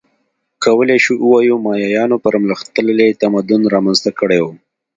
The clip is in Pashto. کولای شو ووایو مایایانو پرمختللی تمدن رامنځته کړی و